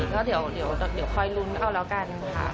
ก็เดี๋ยวคอยลุ้นเอาแล้วกันค่ะ